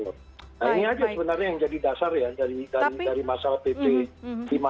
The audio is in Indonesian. nah ini aja sebenarnya yang jadi dasar ya dari masalah pp lima puluh